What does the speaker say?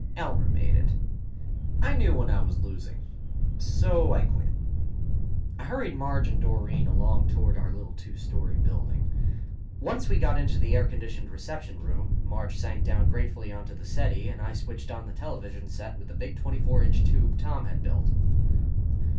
Elmer made it." I knew when I was losing, so I quit. I hurried Marge and Doreen along toward our little two story building. Once we got into the air conditioned reception room, Marge sank down gratefully onto the settee and I switched on the television set with the big 24 inch tube Tom had built.